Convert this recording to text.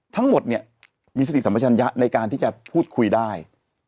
ทั้งหมดเนี่ยมีสติสัมปชัญญะในการที่จะพูดคุยได้